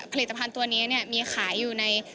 ผลิตภัณฑ์ตัวนี้มีขายอยู่ใน